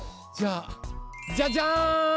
じゃあじゃじゃん！